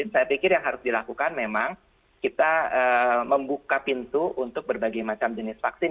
saya pikir yang harus dilakukan memang kita membuka pintu untuk berbagai macam jenis vaksin